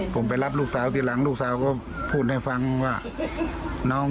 ผมไปรับลูกสาวทีหลังลูกสาวก็พูดให้ฟังว่าน้อง